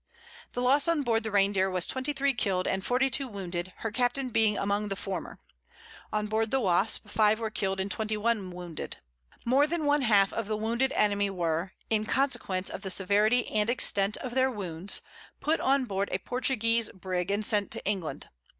The loss on board the Reindeer was twenty three killed and forty two wounded, her captain being among the former. On board the Wasp five were killed and twenty one wounded. More than one half of the wounded enemy were, in consequence of the severity and extent of their wounds, put on board a Portuguese brig and sent to England.